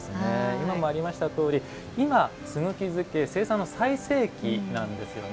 今もありましたとおり今、すぐき漬け生産の最盛期なんですよね。